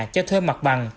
cho thuê mặt bằng